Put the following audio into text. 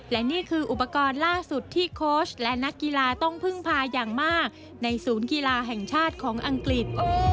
และนี่คืออุปกรณ์ล่าสุดที่โค้ชและนักกีฬาต้องพึ่งพาอย่างมากในศูนย์กีฬาแห่งชาติของอังกฤษ